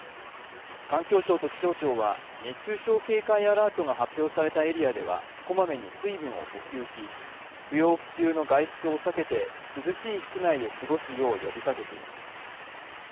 環境省と気象庁は熱中症警戒アラートが発表されたエリアでは、小まめに水分を補給し、不要不急の外出を避けて涼しい室内で過ごすよう呼びかけています。